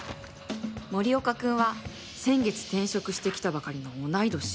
森岡君は先月、転職してきたばかりの同い年。